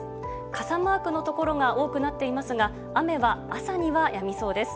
傘マークのところが多くなっていますが雨は、朝にはやみそうです。